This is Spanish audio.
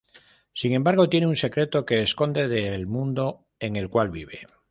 Sin embargo tiene un secreto que esconder del mundo en el cual vive.